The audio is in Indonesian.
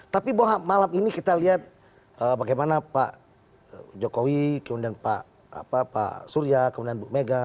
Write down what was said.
tapi bahwa malam ini kita lihat bagaimana pak jokowi kemudian pak surya kemudian bu mega